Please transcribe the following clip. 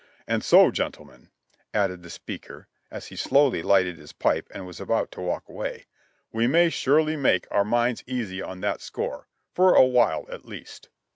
"And so, gentlemen," added the speaker, as he slowly lighted his pipe and was about to walk away, "we may surely make our minds easy on that score, for a while at least."